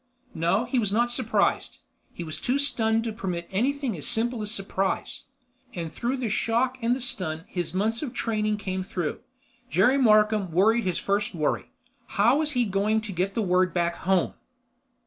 No, he was not surprised. He was too stunned to permit anything as simple as surprise. And through the shock and the stun, his months of training came through. Jerry Markham worried his first worry: _How was he going to get the word back home?